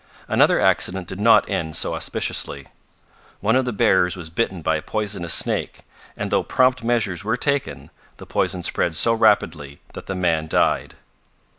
Another accident did not end so auspiciously. One of the bearers was bitten by a poisonous snake, and though prompt measures were taken, the poison spread so rapidly that the man died.